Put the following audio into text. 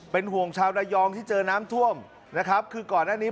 เป็นห่วงชาวระยองที่เจอน้ำท่วมนะครับคือก่อนหน้านี้